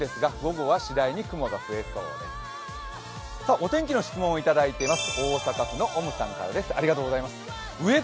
お天気の質問をいただいています。